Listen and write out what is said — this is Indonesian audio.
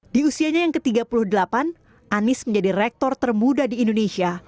di usianya yang ke tiga puluh delapan anies menjadi rektor termuda di indonesia